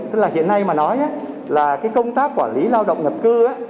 tức là hiện nay mà nói là cái công tác quản lý lao động nhập cư